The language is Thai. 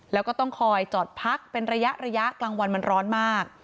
แล้วก็ต้องคอยจอดพักเป็นระยะระยะกลางวันมันร้อนมาก